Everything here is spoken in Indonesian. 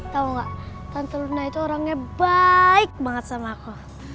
tau gak tanto luna itu orangnya baik banget sama aku